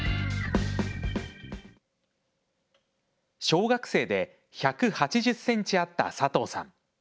小学生で１８０ｃｍあった佐藤さん。